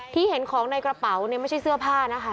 ที่เห็นของในกระเป๋าเนี่ยไม่ใช่เสื้อผ้านะคะ